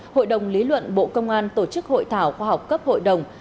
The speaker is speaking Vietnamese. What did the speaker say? hội đồng lý luận bộ công an tổ chức hội thảo khoa học cấp hội đồng